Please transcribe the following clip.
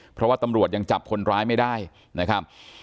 เพราะว่าตำรวจยังจับคนร้ายไม่ได้นะครับ